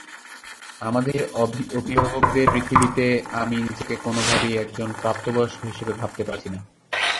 আমাদের অভিভাবকদের পৃথিবীতে আমি নিজেকে কোনোভাবেই একজন প্রাপ্তবয়স্ক হিসেবে ভাবতে পারছি না।